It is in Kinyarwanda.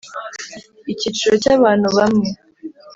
icyiciro cy’ abantu bamwe .